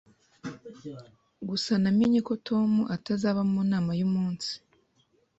Gusa namenye ko Tom atazaba mu nama uyu munsi